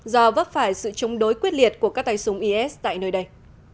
do vấp phải sự chống đối quyết liệt của các tay súng is tại nơi đây